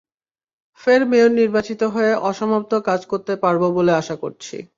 ফের মেয়র নির্বাচিত হয়ে অসমাপ্ত কাজ করতে পারব বলে আশা করছি।